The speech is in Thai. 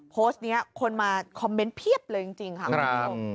โพสต์นี้คนมาคอมเมนต์เผี้ยบเลยจริงครับ